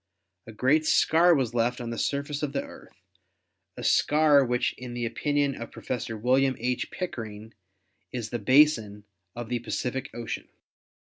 A great scar was left on the surface of the Earth, a scar which in the opinion of Professor William H. Pickering is the basin of the Pacific Ocean.